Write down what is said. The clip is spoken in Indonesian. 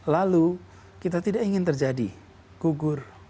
lalu kita tidak ingin terjadi gugur